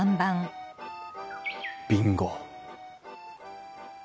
ビンゴ！